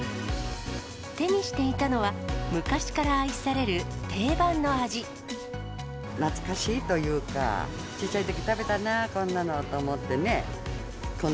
手にしていたのは、懐かしいというか、ちいちゃいとき食べたな、こんなのと思ってね。